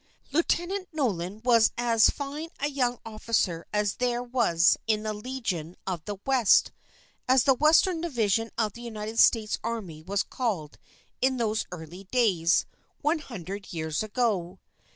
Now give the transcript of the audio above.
Lieutenant Nolan was as fine a young officer as there was in the "Legion of the West," as the Western division of the United States Army was called in those early days, one hundred years ago.